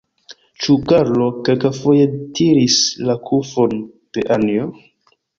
Ĉu Karlo kelkafoje tiris la kufon de Anjo?